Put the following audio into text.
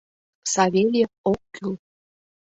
— Савельев ок кӱл!